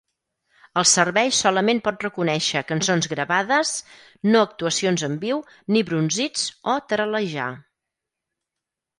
El servei solament pot reconèixer cançons gravades, no actuacions en viu ni brunzits o taral·lejar.